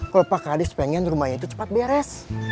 kalau pak kadis pengen rumahnya itu cepat beres